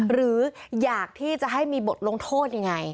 หรืออยากที่จะให้มีบทลงโทษยังไง